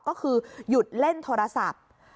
ก็คือหยุดเล่นโทรศัพท์